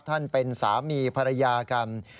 ท่านเป็นสามีภรรยากัน